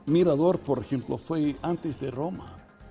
mirador misalnya dulu di roma